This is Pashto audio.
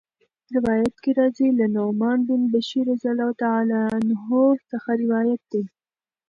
روايت کي راځي: له نعمان بن بشير رضي الله عنه څخه روايت دی